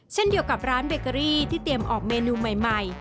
เช่นเดียวกับร้านเบเกอรี่ที่เตรียมออกเมนูใหม่